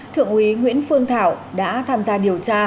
thượng úy nguyễn phương thảo đã tham gia điều tra